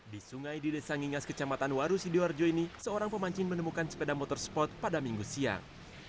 di sungai di desa ngingas kecamatan waru sidoarjo ini seorang pemancing menemukan sepeda motor spot pada minggu siang